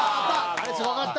あれすごかった！